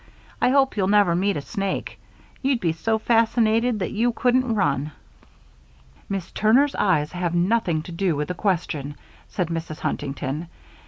I hope you'll never meet a snake. You'd be so fascinated that you couldn't run." "Miss Turner's eyes have nothing to do with the question," said Mrs. Huntington.